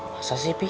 masa sih pih